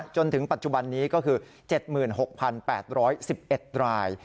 จนถึงปัจจุบันนี้ก็คือ๗๖๘๑๑ราย